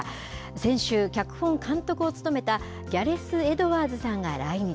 先週、脚本・監督を務めたギャレス・エドワーズさんが来日。